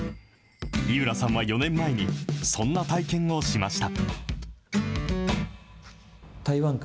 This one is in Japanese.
井浦さんは４年前に、そんな体験をしました。